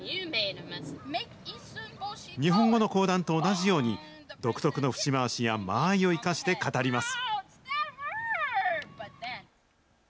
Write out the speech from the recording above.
日本語の講談と同じように、独特の節回しや間合いを生かして語ります。